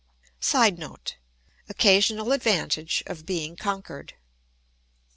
[Sidenote: Occasional advantage of being conquered.